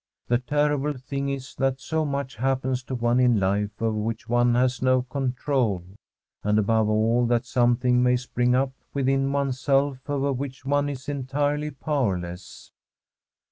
The terrible thing is that so much happens to one in life over which one has no control, and, above all, that something may spring up within one's self over which one is entirely powerless.